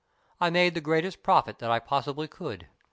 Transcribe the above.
I made the greatest profit that I possibly could.